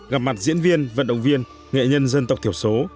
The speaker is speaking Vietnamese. gặp mặt diễn viên vận động viên nghệ nhân dân tộc thiểu số